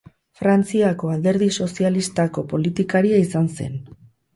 Frantziako Alderdi Sozialistako politikaria izan zen.